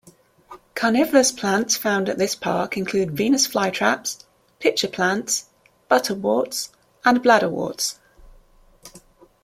Carnivorous plants found at this park include Venus flytraps, pitcher plants, butterworts and bladderworts.